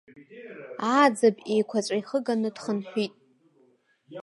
Ааӡаб еиқәаҵәа ихыганы дхынҳәит.